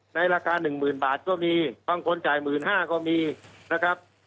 ในราคา๑๐๐๐บาทก็มีบางคนจ่าย๑๕๐๐ก็มีนะครับ